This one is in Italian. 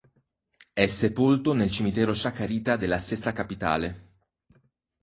È sepolto nel cimitero Chacarita della stessa Capitale.